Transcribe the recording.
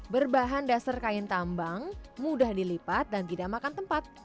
berbahan dasar kain tambang mudah dilipat dan tidak makan tempat